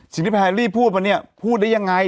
สิ่งที่แพรรี่พูดมาเนี่ยพูดได้ยังไง